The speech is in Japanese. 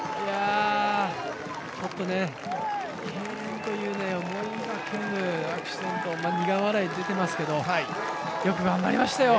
ちょっとね、けいれんという思いがけぬアクシデント、苦笑い出ていますけど、よく頑張りましたよ。